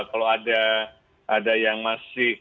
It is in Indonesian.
kalau ada yang masih